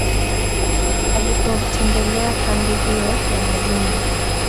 Alipotembelea kambi hiyo ya Mazimbu